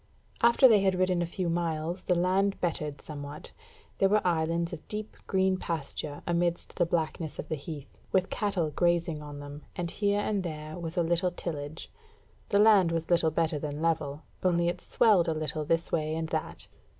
After they had ridden a few miles the land bettered somewhat; there were islands of deep green pasture amidst the blackness of the heath, with cattle grazing on them, and here and there was a little tillage: the land was little better than level, only it swelled a little this way and that.